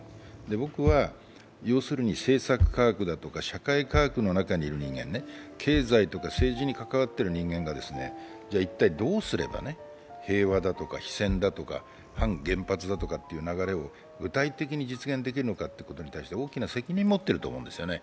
僕は政策科学とか社会科学の中にいる人間ね、経済とか政治に関わっている人間が一体どうすれば、平和だとか非戦だとか反原発だという流れを具体的に実現できるかに対して大きな責任を持っていると思うんですね。